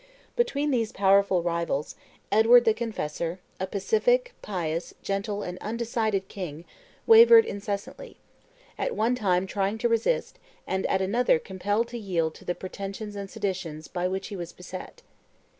Between these powerful rivals, Edward the Confessor, a pacific, pious, gentle, and undecided king, wavered incessantly; at one time trying to resist, and at another compelled to yield to the pretensions and seditions by which he was beset.